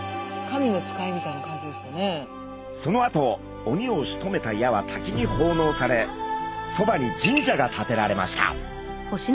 そのあと鬼をしとめた矢はたきにほうのうされそばに神社がたてられました。